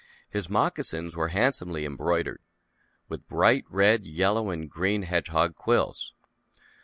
His moccasins were handsomely embroidered with bright red, yellow and green hedge hog quills.